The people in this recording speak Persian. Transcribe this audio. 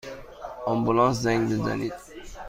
آمبولانس زنگ بزنید!